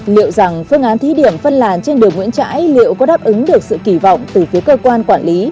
liệu rằng phương án thí điểm phân làn trên đường nguyễn trãi liệu có đáp ứng được sự kỳ vọng từ phía cơ quan quản lý